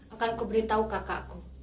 akanku beritahu kakakku